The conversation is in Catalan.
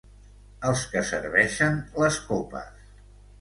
Els que serveixen les copes.